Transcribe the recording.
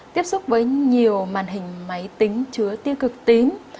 tiếp xúc với nhiều màn hình máy tính chứa tiêu cực tím